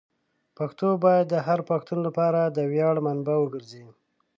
پښتو باید د هر پښتون لپاره د ویاړ منبع وګرځي.